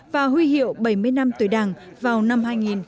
và huy hiệu bảy mươi năm tuổi đảng vào năm hai nghìn một mươi